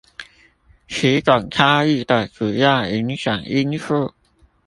此種差異的主要影響因素